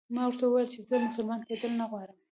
ما ورته وویل چې زه مسلمان کېدل نه غواړم.